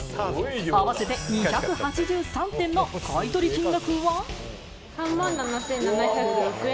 合わせて２８３点の買取金額は。